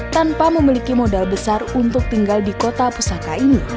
tanpa memiliki modal besar untuk tinggal di kota pusaka ini